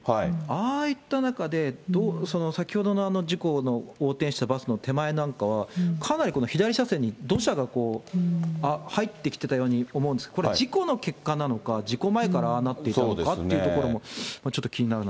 ああいった中で先ほどの事故の横転したバスの手前なんかは、かなり左車線に土砂が入ってきてたように思うんですが、これ、事故の結果なのか、事故前からああなっていたのかっていうこともちょっと気になる。